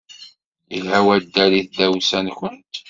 Yelha waddal i tdawsa-nwent.